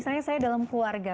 misalnya saya dalam keluarga